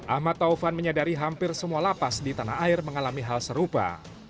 ahmad taufan menyadari hampir semua lapas di tanah air mengalami hal serupa